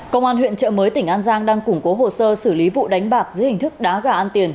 công an huyện trợ mới tỉnh an giang đang củng cố hồ sơ xử lý vụ đánh bạc dưới hình thức đá gà ăn tiền